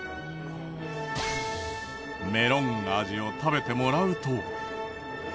メロン味を食べてもらうと。